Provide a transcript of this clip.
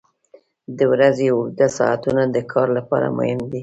• د ورځې اوږده ساعتونه د کار لپاره مهم دي.